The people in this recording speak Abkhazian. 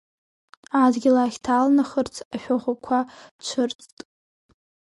Адгьыл ахьҭа алнахырц, ашәахәақәа цәырҵт.